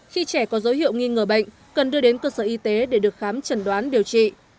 khi trẻ có dấu hiệu nghi ngờ bệnh cần đưa đến cơ sở y tế để được khám trần đoán điều trị